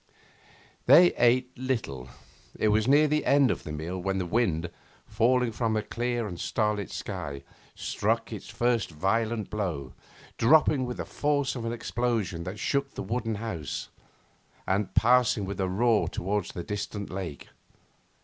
They ate little. It was near the end of the meal when the wind, falling from a clear and starlit sky, struck its first violent blow, dropping with the force of an explosion that shook the wooden house, and passing with a roar towards the distant lake.